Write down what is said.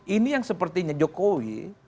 ini yang sepertinya jokowi